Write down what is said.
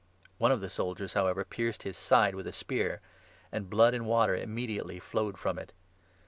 One of the soldiers, however, pierced his 34 side with a spear, and blood and water immediately flowed from it.